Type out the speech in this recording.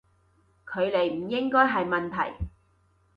距離唔應該係問題